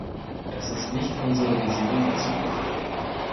Das ist nicht unsere Vision der Zukunft.